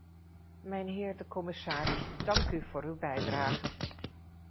Mijnheer de commisaris, dank u voor uw bijdrage.